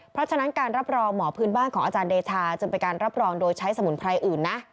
เพราะฉะนั้นการรับรองหมอพื้นบ้านของอาจารย์เดชาจึงเป็นการรับรองโดยใช้สมุนไพรอื่นนะ